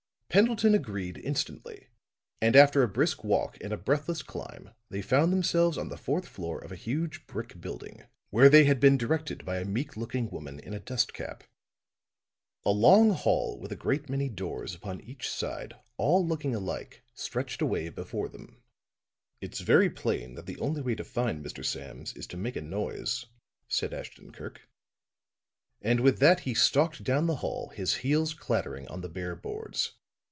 Pendleton agreed instantly; and after a brisk walk and a breathless climb, they found themselves on the fourth floor of a huge brick building where they had been directed by a meek looking woman in a dust cap. A long hall with a great many doors upon each side, all looking alike, stretched away before them. "It's very plain that the only way to find Mr. Sams is to make a noise," said Ashton Kirk. And with that he stalked down the hall, his heels clattering on the bare boards.